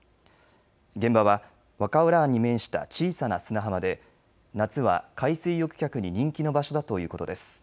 現場は和歌浦湾に面した小さな砂浜で夏は海水浴客に人気の場所だということです。